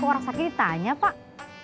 kok orang sakit aja tanya pak